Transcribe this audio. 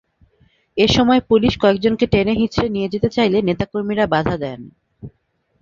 এ সময় পুলিশ কয়েকজনকে টেনেহিঁচড়ে নিয়ে যেতে চাইলে নেতা কর্মীরা বাধা দেন।